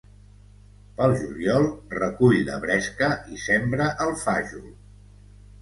Pel juliol, recull la bresca i sembra el fajol.